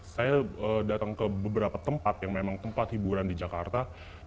saya datang ke beberapa tempat yang memang tempat hiburan di jakarta